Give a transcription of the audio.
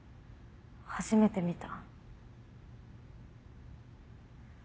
初めて見た。